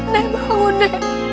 nek bangun dek